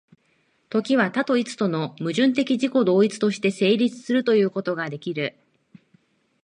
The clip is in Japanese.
時は多と一との矛盾的自己同一として成立するということができる。